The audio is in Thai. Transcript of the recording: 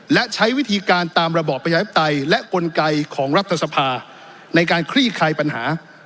และใช้วิธีการตามระบอบประชาธิปไตยและกลไกของรัฐสภาในการคลี่คลายปัญหา